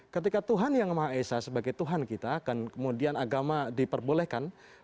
ketika tuhan yang maha esa sebagai tuhan kita dan kemudian agama diperbolehkan